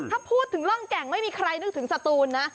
ถ้าพูดถึงร่องแก่งไม่มีใครนึกถึงสตูนนะ